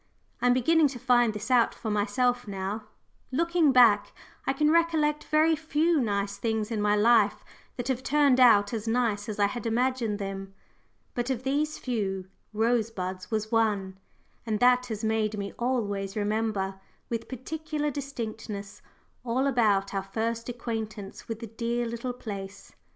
I am beginning to find this out for myself now looking back, I can recollect very few nice things in my life that have turned out as nice as I had imagined them. But of these few, Rosebuds was one, and that has made me always remember with particular distinctness all about our first acquaintance with the dear little place.